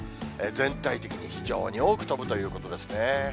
全体的に非常に多く飛ぶということですね。